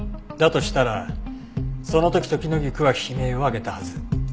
としたらその時トキノギクは悲鳴を上げたはず。